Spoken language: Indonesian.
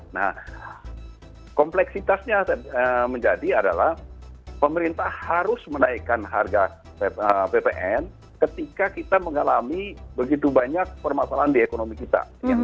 nah kompleksitasnya menjadi adalah pemerintah harus menaikkan harga bpn ketika kita mengalami begitu banyak permasalahan di ekonomi kita